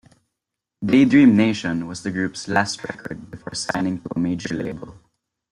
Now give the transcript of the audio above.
"Daydream Nation" was the group's last record before signing to a major label.